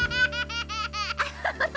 アハハハ。